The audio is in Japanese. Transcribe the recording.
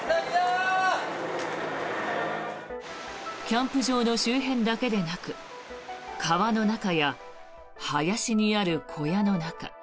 キャンプ場の周辺だけでなく川の中や、林にある小屋の中